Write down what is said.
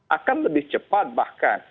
akan lebih cepat bahkan